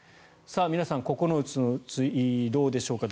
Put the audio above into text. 皆さん、９つのうちどうでしょうか